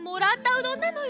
うどんなのよ。